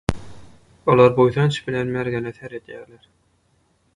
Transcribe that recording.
Olar buýsanç bilen mergene seredýäler.